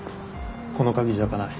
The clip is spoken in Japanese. この鍵じゃ開かない。